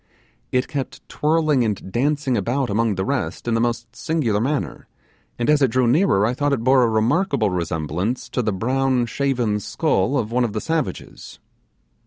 It kept twirling and dancing about among the rest in the most singular manner, and as it drew nearer I thought it bore a remarkable resemblance to the brown shaven skull of one of the savages.